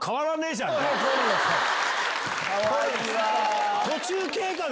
かわいいわ！